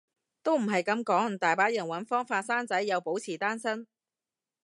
都唔係噉講，大把人搵方法生仔又保持單身